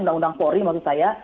undang undang polri maksud saya